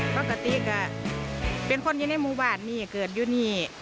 ปกติก็เป็นคนอยู่ในหมู่บ้านนี่เกิดอยู่นี่